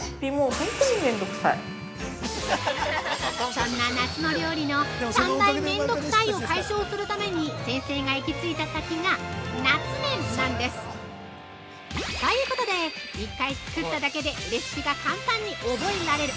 ◆そんな夏の料理の３大めんどくさいを解消するために先生が行き着いた先が夏麺なんです！ということで、１回作っただけでレシピが簡単に覚えられる！